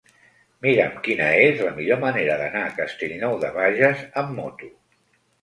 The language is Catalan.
Mira'm quina és la millor manera d'anar a Castellnou de Bages amb moto.